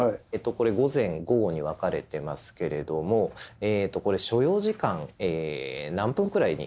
これ「午前午後」に分かれてますけれどもこれ所要時間何分くらいに書いてあると思われますか？